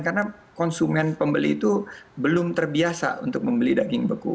karena konsumen pembeli itu belum terbiasa untuk membeli daging beku